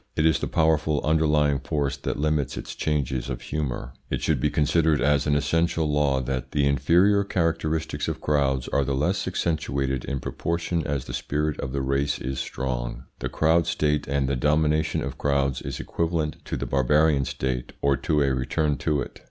It is the powerful underlying force that limits its changes of humour. It should be considered as an essential law that THE INFERIOR CHARACTERISTICS OF CROWDS ARE THE LESS ACCENTUATED IN PROPORTION AS THE SPIRIT OF THE RACE IS STRONG. The crowd state and the domination of crowds is equivalent to the barbarian state, or to a return to it.